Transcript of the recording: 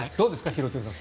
廣津留さん。